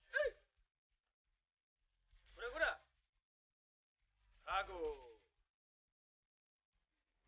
tapi pasti gak seganteng fatir gue